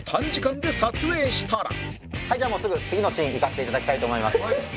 じゃあもうすぐ次のシーンいかせて頂きたいと思います。